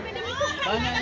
tidak ada penganiayaan